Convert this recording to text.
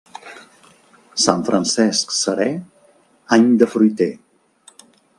Sant Francesc serè, any de fruiter.